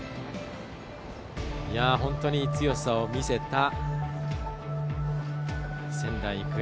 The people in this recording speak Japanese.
本当に強さを見せた仙台育英。